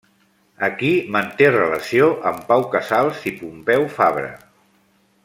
Aquí manté relació amb Pau Casals i Pompeu Fabra.